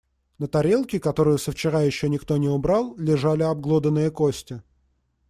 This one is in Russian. На тарелке, которую со вчера ещё никто не убрал, лежали обглоданные кости.